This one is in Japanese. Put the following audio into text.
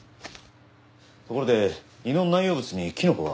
ところで胃の内容物にキノコは？